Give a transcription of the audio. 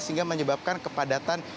sehingga menyebabkan kepadatan